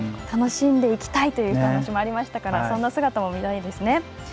楽しんでいきたいというお話もありましたからそんな姿を見たいですね。